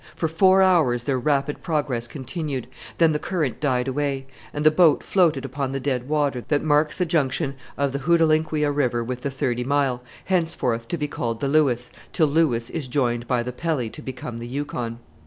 For four hours their rapid progress continued; then the current died away, and the boat floated upon the dead water that marks the junction of the Hootalinquia River with the Thirty Mile, henceforth to be called the Lewis, till Lewis is joined by the Pelly to become the Yukon.